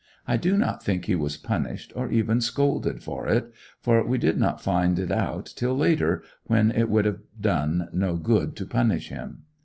I do not think he was punished or even scolded for it; for we did not find it out till later, when it would have done no good to punish him.